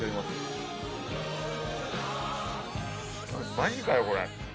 マジかよこれ。